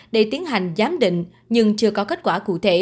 để tiến hành giám định nhưng chưa có kết quả